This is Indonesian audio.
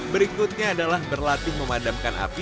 berikutnya adalah berlatih memadamkan api